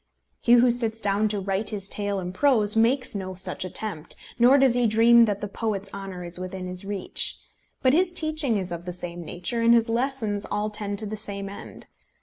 He who sits down to write his tale in prose makes no such attempt, nor does he dream that the poet's honour is within his reach; but his teaching is of the same nature, and his lessons all tend to the same end.